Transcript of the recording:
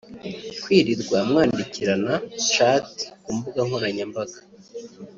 kwirirwa mwandikirana(Chat) ku mbuga nkoranyambaga